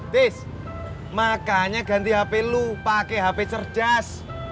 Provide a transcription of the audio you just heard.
tis makanya ganti hp lu pakai hp cerdas